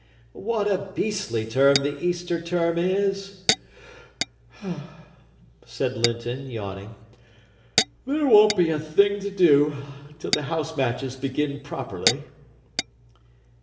"What a beastly term the Easter term is," said Linton, yawning. "There won't be a thing to do till the house matches begin properly."